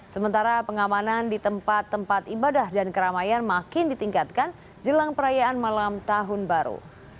sementara pengamanan di tempat tempat ibadah dan keramaian makin ditingkatkan jelang perayaan malam tahun baru